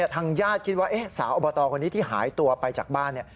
ทางญาติคิดว่าสาวอบตคนนี้ที่หายตัวไปจากบ้าน